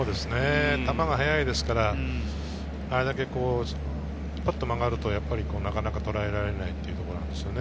球が速いですから、あれだけパッと曲がると、なかなかとらえられないというところなんですね。